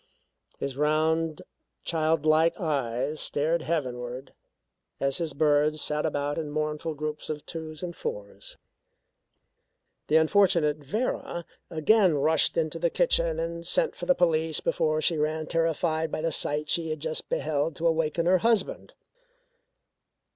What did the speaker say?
His round child like eyes stared heavenward as his birds sat about in mournful groups of twos and fours. The unfortunate Vera again rushed into the kitchen and sent for the police before she ran, terrified by the sight she had just beheld, to awaken her husband.